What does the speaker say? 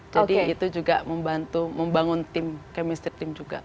jadi itu juga membantu membangun tim chemistry team juga